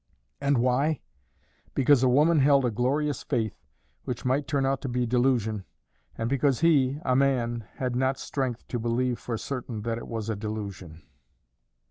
And why? Because a woman held a glorious faith which might turn out to be delusion, and because he, a man, had not strength to believe for certain that it was a delusion.